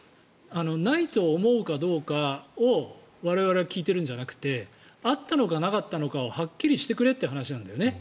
ないと思うかどうかを我々は聞いているんじゃなくてあったのかなかったのかをはっきりしてくれっていう話なんだよね。